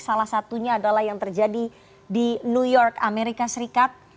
salah satunya adalah yang terjadi di new york amerika serikat